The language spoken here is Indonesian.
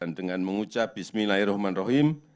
dan dengan mengucap bismillahirrahmanirrahim